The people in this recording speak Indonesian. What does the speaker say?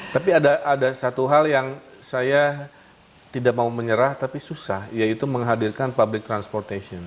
tapi ada satu hal yang saya tidak mau menyerah tapi susah yaitu menghadirkan public transportation